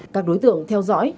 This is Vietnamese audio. các đối tượng theo dõi